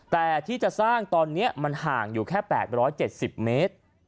แต่ที่จะสร้างตอนเนี้ยมันห่างอยู่แค่แปดร้อยเจ็ดสิบเมตร